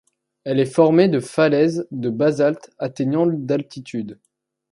Elle est formée de falaises de basalte atteignant d'altitude.